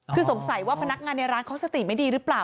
คือสงสัยว่าพนักงานในร้านเขาสติไม่ดีหรือเปล่า